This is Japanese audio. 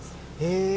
へえ。